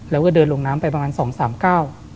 แล้วก็เดินลงน้ำไปประมาณสองสามเก้า